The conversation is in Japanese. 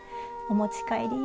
お持ち帰り。